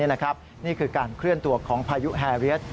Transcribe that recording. นี่คือการเคลื่อนตัวของพายุแฮเรียส